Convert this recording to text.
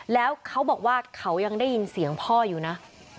แล้วเขาบอกว่าเขายังได้ยินเสียงพ่ออยู่นะ